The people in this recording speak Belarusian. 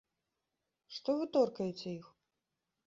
Што вы торкаеце іх?